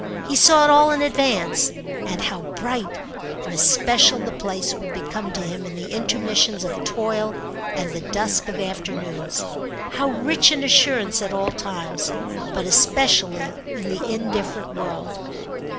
He saw it all in advance, and how bright in especial the place would become to him in the intermissions of toil and the dusk of afternoons; how rich in assurance at all times, but especially in the indifferent world.